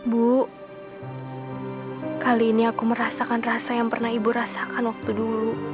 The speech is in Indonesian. bu kali ini aku merasakan rasa yang pernah ibu rasakan waktu dulu